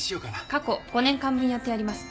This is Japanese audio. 過去５年間分やってあります。